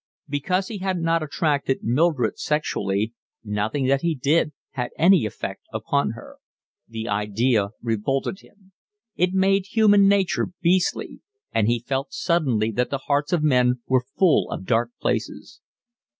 Because he had not attracted Mildred sexually, nothing that he did had any effect upon her. The idea revolted him; it made human nature beastly; and he felt suddenly that the hearts of men were full of dark places.